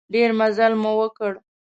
ډېر مزل مو وکړ.